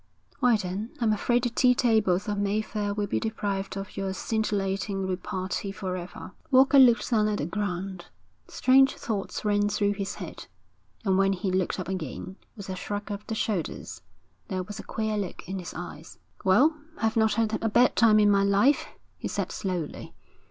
'Why then, I'm afraid the tea tables of Mayfair will be deprived of your scintillating repartee for ever.' Walker looked down at the ground. Strange thoughts ran through his head, and when he looked up again, with a shrug of the shoulders, there was a queer look in his eyes. 'Well, I've not had a bad time in my life,' he said slowly.